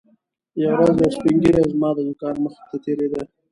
یوه ورځ یو سپین ږیری زما د دوکان مخې ته تېرېده.